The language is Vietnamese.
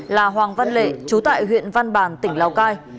là hoàng văn lệ chú tại huyện văn bàn tỉnh lào cai